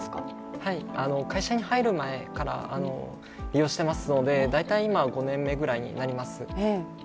はい、会社に入る前から利用してますので大体今、５年目ぐらいになります。